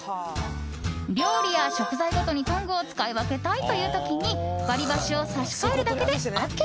料理や食材ごとにトングを使い分けたいという時に割り箸を差し替えるだけでＯＫ。